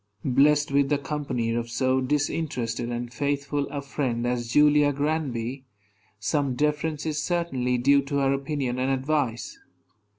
Blessed with the company of so disinterested and faithful a friend as Julia Granby, some deference is certainly due to her opinion and advice.